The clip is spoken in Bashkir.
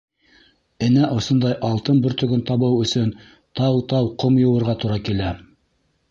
Энә осондай алтын бөртөгөн табыу өсөн тау-тау ҡом йыуырға тура килә.